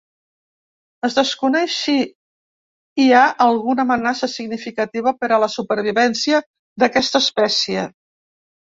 Es desconeix si hi ha alguna amenaça significativa per a la supervivència d'aquesta espècie.